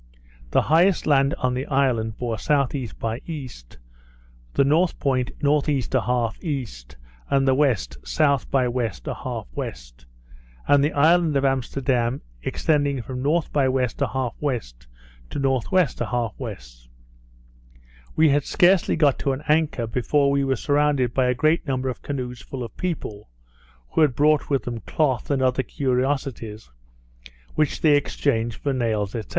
The highest land on the island bore S.E. by E.; the north point N.E. 1/2 E., and the west S. by W. 1/2 W., and the island of Amsterdam extending from N. by W. 1/2 W. to N.W. 1/2 W. We had scarcely got to an anchor before we were surrounded by a great number of canoes full of people, who had brought with them cloth, and other curiosities, which they exchanged for nails, &c.